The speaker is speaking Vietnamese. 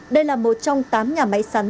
đây là một trong tám nhà máy sắn